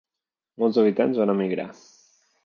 Molts habitants van emigrar.